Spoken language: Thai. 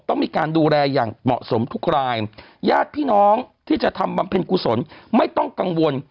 ต้องมีการดูแลอย่างเหมาะสมทุกรายญาติพี่น้องที่จะทำบำเพ็ญกุศลไม่ต้องกังวล